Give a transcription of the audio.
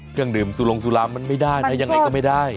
เครื่องดื่มสุลงสุรามันไม่ได้นะยังไงก็ไม่ได้